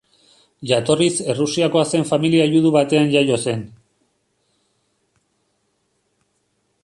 Jatorriz Errusiakoa zen familia judu batean jaio zen.